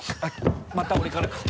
また俺からか。